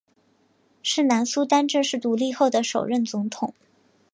是南苏丹正式独立后的首任总统。